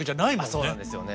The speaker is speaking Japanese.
そうなんですよね。